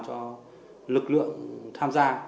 cho lực lượng tham gia